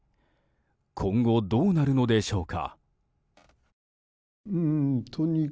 今後、どうなるのでしょうか。